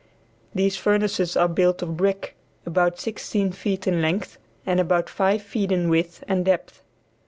These furnaces are built of brick, about sixteen feet in length and about five feet in width and depth.